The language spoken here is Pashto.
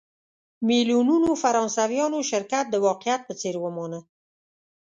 میلیونونو فرانسویانو شرکت د واقعیت په څېر ومانه.